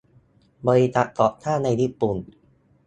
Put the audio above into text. บริษัทก่อสร้างในญี่ปุ่น